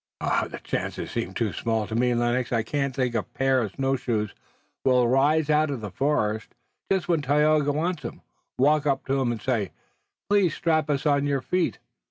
"The chance seems too small to me, Lennox. I can't think a pair of snow shoes will rise out of the forest just when Tayoga wants 'em, walk up to him and say: 'Please strap us on your feet.'